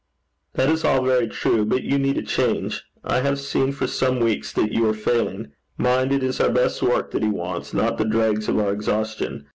'That is all very true; but you need a change. I have seen for some weeks that you are failing. Mind, it is our best work that He wants, not the dregs of our exhaustion.